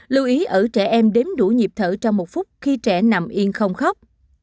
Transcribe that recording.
lưu ý ở trẻ em đến đủ nhịp thở trong một phút khi trẻ nằm yên không khóc